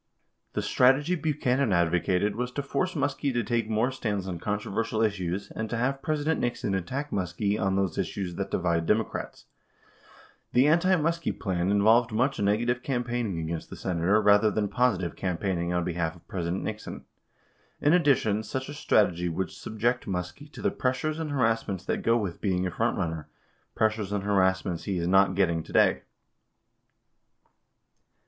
93 The strategy Buchanan advocated was to force Muskie to take more stands on controversial issues and to have President Nixon attack Muskie "on those issues that divide Democrats." 94 The anti Muskie plan involved much "negative campaigning" against the Senator rather than positive campaigning on behalf of President Nixon. In addition, such a strategy would subject Muskie to the "pressures and harassments that go with being a front runner, pressures and har assments he is not getting today."